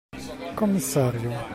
Commissario!